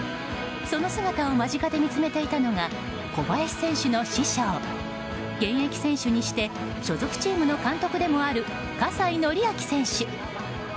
その姿を間近で見つめていたのが小林選手の師匠現役選手にして、所属チームの監督でもある葛西紀明選手。